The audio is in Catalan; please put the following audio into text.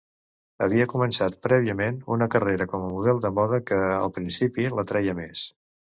Havia començat prèviament una carrera com a model de moda que, al principi, l'atreia més.